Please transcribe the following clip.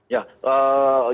ya jelas kalau untuk